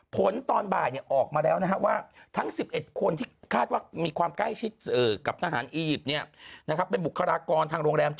ผลตอนบ่ายนี่ออกมาแล้วนะครับว่า